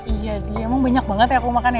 iya dia emang banyak banget yang aku makan ya